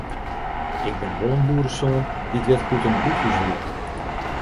Ik bin wol in boeresoan dy't wit hoe't in bûthús rûkt.